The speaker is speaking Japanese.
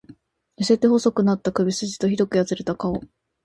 痩せて細くなった首すじと、酷くやつれた顔。